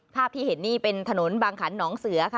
ภาพที่เห็นนี่เป็นถนนบางขันหนองเสือค่ะ